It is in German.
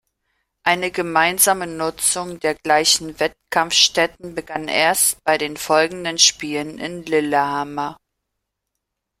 Eine gemeinsame Nutzung der gleichen Wettkampfstätten begann erst bei den folgenden Spielen in Lillehammer.